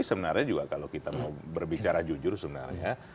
sebenarnya juga kalau kita mau berbicara jujur sebenarnya